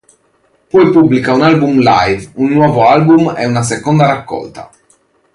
Poi pubblica un album live, un nuovo album e una seconda raccolta.